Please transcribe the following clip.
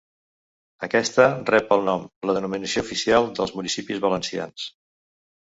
Aquesta rep el nom La denominació oficial dels municipis valencians.